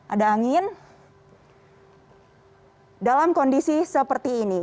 ada angin dalam kondisi seperti ini